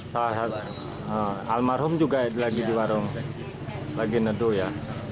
sahabat almarhum juga lagi di warung lagi ngeduh ya